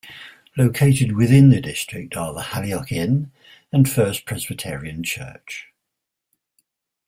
Located within the district are the Halliock Inn and First Presbyterian Church.